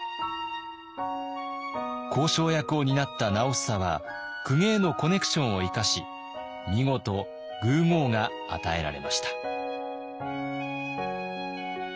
交渉役を担った直房は公家へのコネクションを生かし見事「宮」号が与えられました。